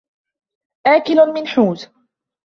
آكل من حوت